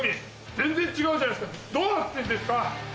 全然違うじゃないですかどうなってんですか！